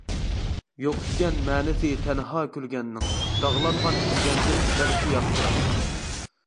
يوق ئىكەن مەنىسى تەنھا كۈلگەننىڭ، داغلانغان كۈلگەندىن بەلكى ياخشىراق.